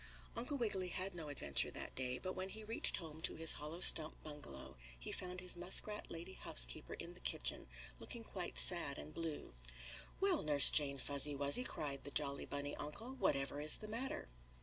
Uncle Wiggily had no adventure that day, but when he reached home to his hollow stump bungalow he found his muskrat lady housekeeper in the kitchen looking quite sad and blue. "Well, Nurse Jane Fuzzy Wuzzy!" cried the jolly bunny uncle. "Whatever is the matter?"